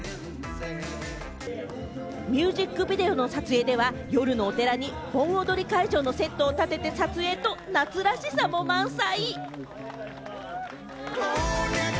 ミュージックビデオの撮影では、夜のお寺に盆踊り会場のセットを建てて撮影と、夏らしさも満載。